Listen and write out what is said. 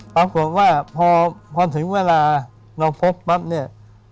ปรากฏว่าพอถึงเวลาเราพบปั๊บเนี่ย